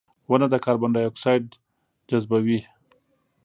• ونه د کاربن ډای اکساید جذبوي.